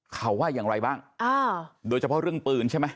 เขาว่าอย่างไรบ้างโดยเฉพาะเรื่องปืนใช่ไหม